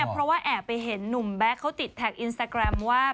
เพราะอยากไปเห็นนุ่มแบ๊กเค้าติดแท็กอินสตาแกรมว่า